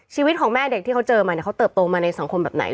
ชีวิตของแม่เด็กที่เขาเจอมาเนี่ยเขาเติบโตมาในสังคมแบบไหน